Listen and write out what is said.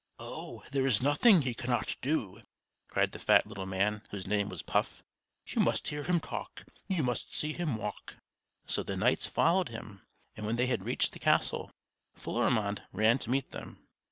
"Oh! there is nothing he cannot do," cried the fat little man whose name was Puff. "You must hear him talk! You must see him walk!" So the knights followed him; and when they had reached the castle, Florimond ran to meet them.